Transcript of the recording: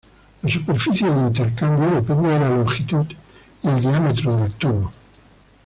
La superficie de intercambio depende de la longitud y el diámetro del tubo.